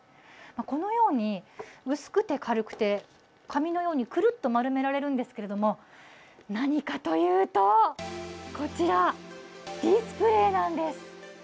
このように薄くて軽くて紙のようにくるっと丸められるんですけども何かというとこちら、ディスプレーなんです。